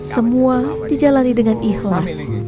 semua dijalani dengan ikhlas